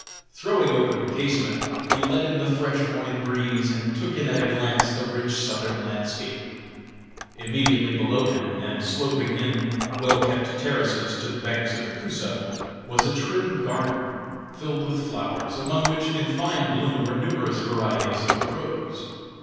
Throwing open the casement, he let in the fresh morning breeze and took in at a glance the rich Southern landscape. Immediately below him, and sloping in well kept terraces to the banks of the Coosa, was a trim garden, filled with flowers, among which, in fine bloom, were numerous varieties of the rose.